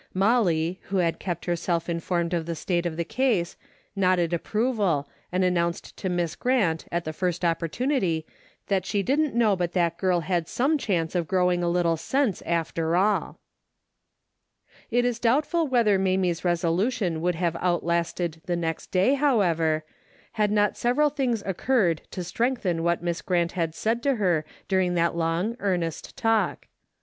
Molly, who had kept herself informed of the state of the case nodded approval and announced to Miss Grant at the first opportunity that she didn't know but that girl had some chance of growing a little sense after all. 298 A DAILY bate: 299 It is doubtful whether Mamie's resolution would have outlasted the next day, however, had not several things occurred to strengthen what Miss Grant had said to her during that long earnest talk.